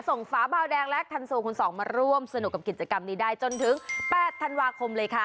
ฝาเบาแดงและคันโซคุณสองมาร่วมสนุกกับกิจกรรมนี้ได้จนถึง๘ธันวาคมเลยค่ะ